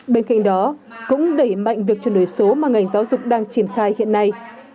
bên cạnh đó cũng đẩy mạnh việc chuyển đổi số mà ngành giáo dục đang triển khai hiện nay